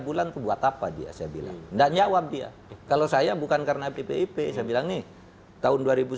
bulan buat apa dia saya bilang dan jawab dia kalau saya bukan karena ppp saya bilang nih tahun dua ribu sepuluh